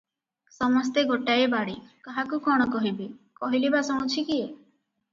ସମସ୍ତେ ଗୋଟାଏ ବାଡ଼େ, କାହାକୁ କଣ କହିବେ, କହିଲେ ବା ଶୁଣୁଛି କିଏ?